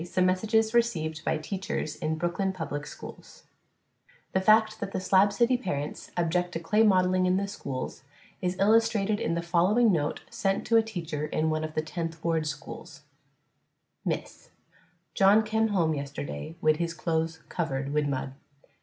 SOME MESSAGES RECEIVED BY TEACHERS IN BROOKLYN PUBLIC SCHOOLS The fact that the "Slab City" parents object to clay modeling in the schools is illustrated in the following note sent to a teacher in one of the Tenth Ward schools: _Miss _: John kem home yesterday wid his clothes covered wid mud.